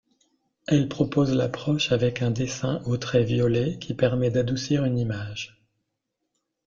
Elle propose l'approche avec un dessin au trait violet, qui permet d'adoucir une image.